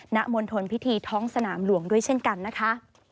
มณฑลพิธีท้องสนามหลวงด้วยเช่นกันนะคะ